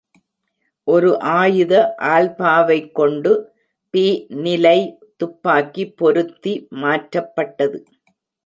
ஒரு ஆயுத ஆல்பாவை கொண்டு, பி நிலை துப்பாக்கி பொருத்தி மாற்றப்பட்டது..